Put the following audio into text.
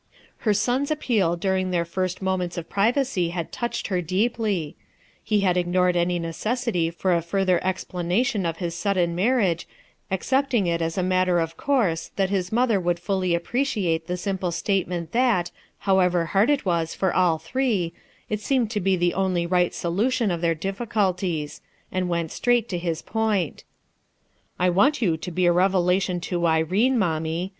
Her son's appeal during their first moments of privacy bad touched her deeply. He had ig nored any necessity for a further explanation of "FLANS FOR A PURPOSE" 145 Ms sudden marriage, accepting it as a matter of course that hw mother would fully appreciate the simple statement that, however hard it was for all three, It weoined to lx; the only right Kolu tion of their difficulties; and went straight to his point* "I want you to Iks a revelation to Irene, mommic.